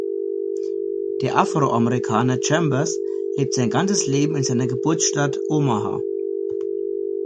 Der Afroamerikaner Chambers lebt sein ganzes Leben in seiner Geburtsstadt Omaha.